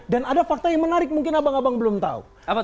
dan ada fakta yang menarik mungkin abang abang belum tahu